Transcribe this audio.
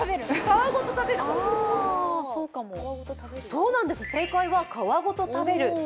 そうなんです、正解は皮ごと食べる。